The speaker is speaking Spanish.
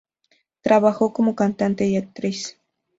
Trabajó como cantante y actriz.